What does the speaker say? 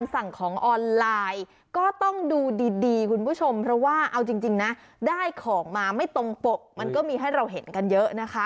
สั่งของออนไลน์ก็ต้องดูดีคุณผู้ชมเพราะว่าเอาจริงนะได้ของมาไม่ตรงปกมันก็มีให้เราเห็นกันเยอะนะคะ